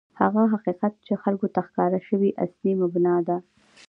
هغه حقیقت چې خلکو ته ښکاره شوی، اصلي مبنا ده.